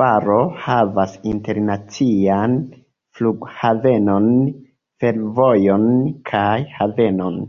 Faro havas internacian flughavenon, fervojon kaj havenon.